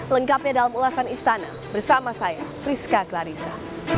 lengkapnya dalam ulasan istana bersama saya friska clarissa